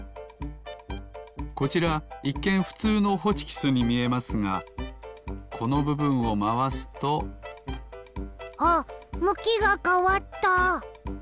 こちらいっけんふつうのホチキスにみえますがこのぶぶんをまわすとあっむきがかわった！